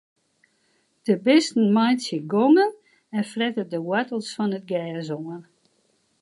De bisten meitsje gongen en frette de woartels fan it gers oan.